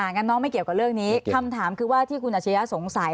งั้นน้องไม่เกี่ยวกับเรื่องนี้คำถามคือว่าที่คุณอัชริยะสงสัย